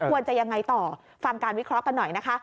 ควรจะยังไงต่อฟังการวิเคราะห์กันหน่อยนะคะ